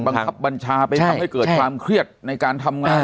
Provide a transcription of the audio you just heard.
บังคับบัญชาไปทำให้เกิดความเครียดในการทำงาน